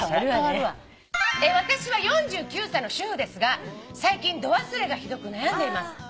「私は４９歳の主婦ですが最近ど忘れがひどく悩んでいます」